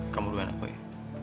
kamu duan aku ya